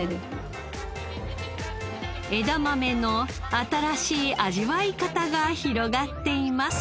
枝豆の新しい味わい方が広がっています。